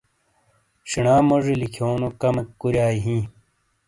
شینا مونی لکھیونو کمیک کُوریائی ہیں۔